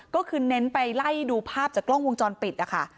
ก็คือเน้นไปไล่ดูภาพจากกล้องวงจรปิดนะคะ